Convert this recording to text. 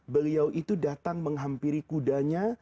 beliau itu datang menghampiri kudanya